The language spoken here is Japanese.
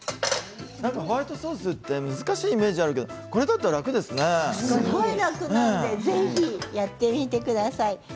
ホワイトソースって難しいイメージがあるけどすごく楽なのでぜひやってみてください。